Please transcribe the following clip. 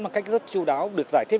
bằng cách rất chú đáo được giải thiết